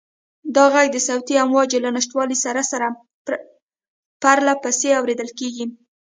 دا غږ د صوتي امواجو له نشتوالي سره سره پرله پسې اورېدل کېږي.